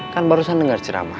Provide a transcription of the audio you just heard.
kan barusan dengar ceramah